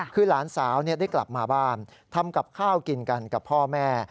คือหลานสาวได้กลับมาบ้านทำกับข้าวกินกันกับพ่อแม่